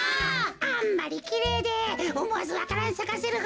あんまりきれいでおもわずわか蘭さかせるほどじゃぞ。